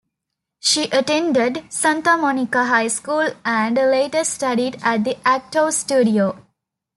She attended Santa Monica High School and later studied at the Actors Studio.